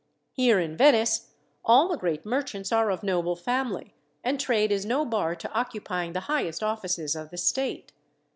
Here in Venice all the great merchants are of noble family, and trade is no bar to occupying the highest offices of the state.